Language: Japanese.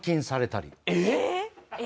えっ！？